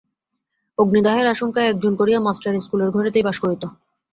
অগ্নিদাহের আশঙ্কায় একজন করিয়া মাস্টার স্কুলের ঘরেতেই বাস করিত।